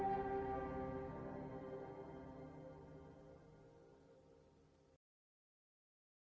mohon maaf kalau rachétais itulah hantaran